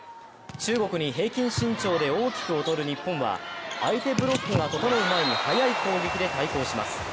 中国に平均身長で大きく劣る日本は、相手ブロックが整う前に速い攻撃で対抗します。